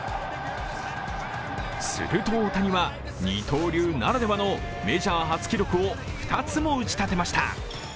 すると、大谷は二刀流ならではのメジャー初記録を２つも打ち立てました。